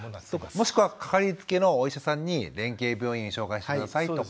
もしくはかかりつけのお医者さんに連携病院を紹介して下さいとか。